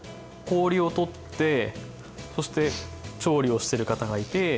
氷を取ってそして調理をしてる方がいて。